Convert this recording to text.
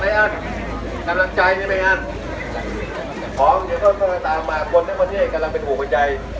แม่งอันสำหรับใจเนี่ยแม่งอันอ๋อเดี๋ยวต้องเข้ามาตามมาคนในประเทศกำลังเป็นหัวใจ